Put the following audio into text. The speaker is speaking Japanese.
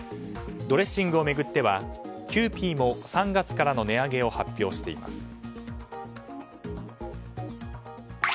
ドレッシングを巡ってはキユーピーも３月からの値上げを発表しています。